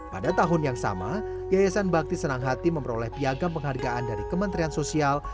pada tahun yang sama yayasan bakti senang hati memperoleh piagam penghargaan dari kementerian sosial